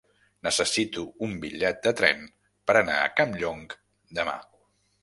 Necessito un bitllet de tren per anar a Campllong demà.